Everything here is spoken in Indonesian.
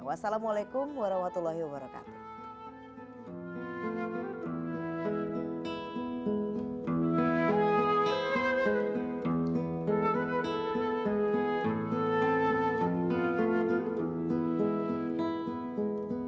wassalamualaikum warahmatullahi wabarakatuh